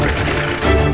tapi musuh aku bobby